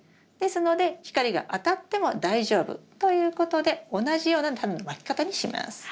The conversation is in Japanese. ですので光が当たっても大丈夫。ということで同じようなタネのまき方にします。